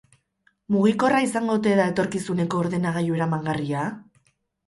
Mugikorra izango ote da etorkizuneko ordenagailu eramangarria?